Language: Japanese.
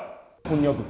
こんにゃく。